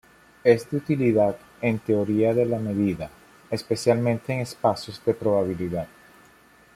Es de utilidad en teoría de la medida, especialmente en espacios de probabilidad.